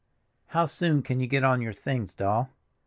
"How soon can you get on your things, Doll?